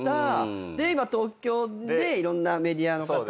で今東京でいろんなメディアの方と。